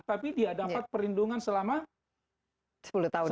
tapi dia dapat perlindungan selama sepuluh tahun